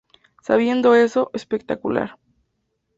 Sabiendo eso "Spectacular!